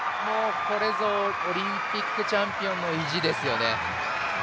これぞオリンピックチャンピオンの意地ですよね。